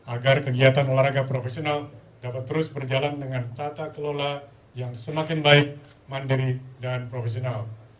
agar kegiatan olahraga profesional dapat terus berjalan dengan tata kelola yang semakin baik mandiri dan profesional